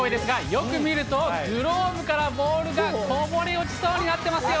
よく見るとグローブからボールがこぼれ落ちそうになってますよ。